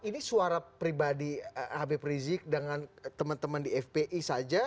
ini suara pribadi habib rizik dengan teman teman di fpi saja